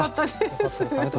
よかったです